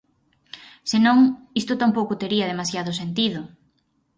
Se non, isto tampouco tería demasiado sentido.